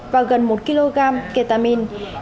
và gần một kg ketamine